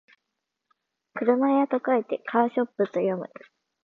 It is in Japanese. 車屋と書いてカーショップと読む